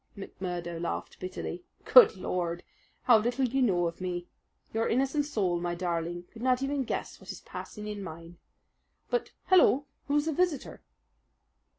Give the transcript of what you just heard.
McMurdo laughed bitterly. "Good Lord! how little you know of me! Your innocent soul, my darling, could not even guess what is passing in mine. But, hullo, who's the visitor?"